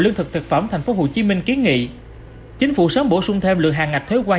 lương thực thực phẩm thành phố hồ chí minh ký nghị chính phủ sớm bổ sung thêm lượng hàng ngạch thế quản